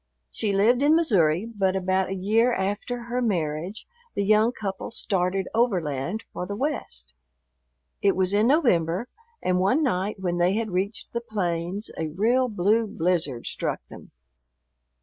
She lived in Missouri, but about a year after her marriage the young couple started overland for the West. It was in November, and one night when they had reached the plains a real blue blizzard struck them.